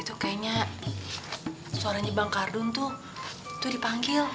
itu kayaknya suaranya bang kardun tuh dipanggil